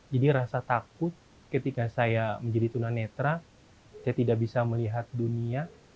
jadi rasa takut ketika saya menjadi tuna netra saya tidak bisa melihat dunia